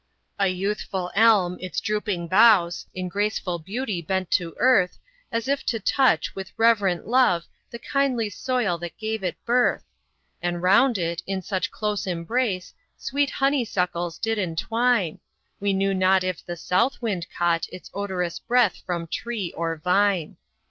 A youthful ELM its drooping boughs In graceful beauty bent to earth, As if to touch, with reverent love, The kindly soil that gave it birth; And round it, in such close embrace, Sweet honeysuckles did entwine, We knew not if the south wind caught Its odorous breath from tree or vine.